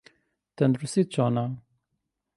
تەندروستیت چۆنە؟